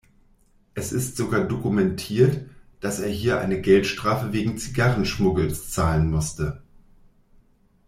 Es ist sogar dokumentiert, dass er hier eine Geldstrafe wegen Zigarren-Schmuggels zahlen musste.